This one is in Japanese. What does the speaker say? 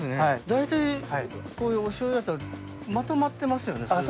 大体、おしょうゆだとまとまってますよね。